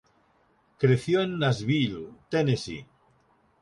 Creció en Nashville, Tennessee.